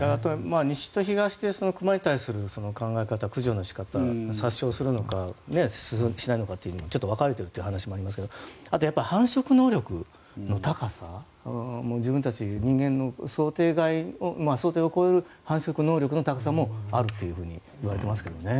西と東で熊に対する考え方、駆除の仕方殺傷するのかしないのかって分かれてるという話もありますがあと繁殖能力の高さ自分たち、人間の想定を超える繁殖能力の高さもあるというふうにいわれていますけどね。